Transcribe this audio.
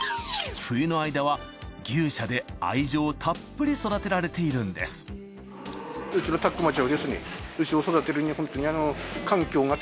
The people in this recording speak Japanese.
冬の間は牛舎で愛情たっぷり育てられているんですうちの田子町は。